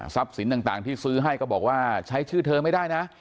สินต่างที่ซื้อให้ก็บอกว่าใช้ชื่อเธอไม่ได้นะ